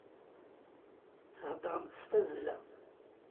Theddṛemt s tazzla.